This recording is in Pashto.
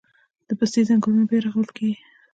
د پستې ځنګلونه بیا رغول کیږي